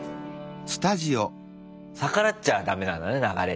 逆らっちゃ駄目なんだね流れにね。